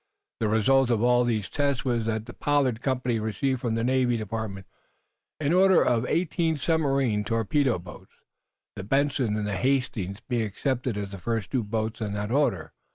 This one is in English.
The result of all these tests was that the Pollard company received from the Navy Department an order for eighteen submarine torpedo boats, the "Benson" and the "Hastings" being accepted as the first two boats on that order.